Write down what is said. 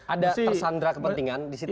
ada tersandra kepentingan di situ